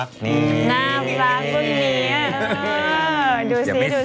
แบบนี้เขาบอกใช่มั้ยคะ